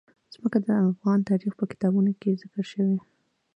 ځمکه د افغان تاریخ په کتابونو کې ذکر شوی دي.